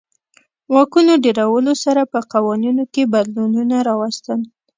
واکونو ډېرولو سره په قوانینو کې بدلونونه راوستل.